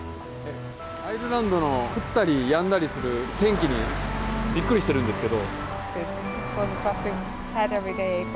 アイルランドの降ったりやんだりする天気にビックリしてるんですけど。